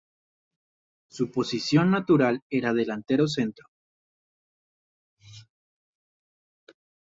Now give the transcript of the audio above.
Su posición natural era de delantero centro.